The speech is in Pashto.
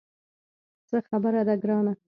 څه خبره ده ګرانه.